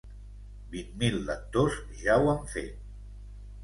Vint mil lectors ja ho han fet.